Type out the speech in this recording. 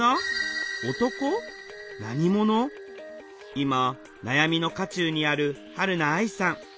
今悩みの渦中にあるはるな愛さん。